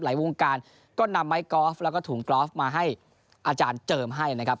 วงการก็นำไม้กอล์ฟแล้วก็ถุงกรอฟมาให้อาจารย์เจิมให้นะครับ